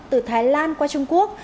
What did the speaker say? từ thái lan qua trung quốc